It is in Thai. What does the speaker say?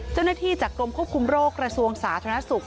เจ้าหน้าที่จากกรมคบคุมโรคกรสวงศาสตร์ธนศุกร์